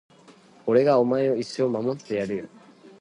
俺がお前を一生守ってやるよ